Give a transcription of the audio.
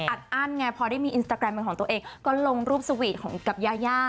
อัดอั้นไงพอได้มีอินสตาแกรมเป็นของตัวเองก็ลงรูปสวีทของกับยายา